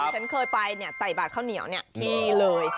ผมเคยไปใส่บาตรข้าวเหนียวเนี่ยทีเลย